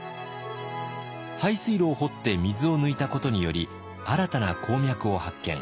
排水路を掘って水を抜いたことにより新たな鉱脈を発見。